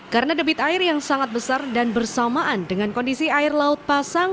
karena debit air yang sangat besar dan bersamaan dengan kondisi air laut pasang